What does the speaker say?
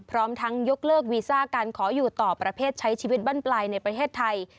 พร้อมทั้งยกเลิกวีซ่าการขออยู่ต่อประเภทใช้ชีวิตบ้านปลายในประเทศไทย